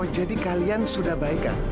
jadi kalian sudah baik kan